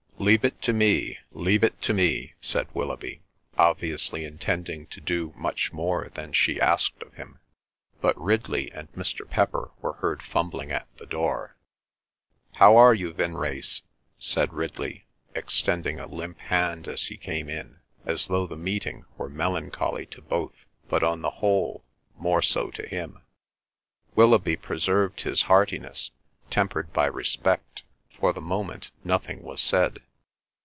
"Leave it to me—leave it to me!" said Willoughby, obviously intending to do much more than she asked of him. But Ridley and Mr. Pepper were heard fumbling at the door. "How are you, Vinrace?" said Ridley, extending a limp hand as he came in, as though the meeting were melancholy to both, but on the whole more so to him. Willoughby preserved his heartiness, tempered by respect. For the moment nothing was said.